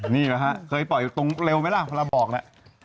นี่แหละฮะเคยปล่อยตรงเร็วไหมล่ะเวลาบอกน่ะ